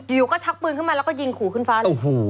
อยู่ก็ชักปืนขึ้นมาแล้วก็ยิงขู่ขึ้นฟ้าเลย